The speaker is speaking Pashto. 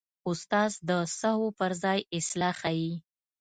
استاد د سهوو پر ځای اصلاح ښيي.